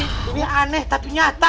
ini aneh tapi nyata